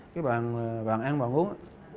cái bàn ăn bàn uống